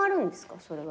それは何？